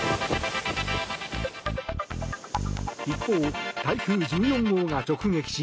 一方、台風１４号が直撃し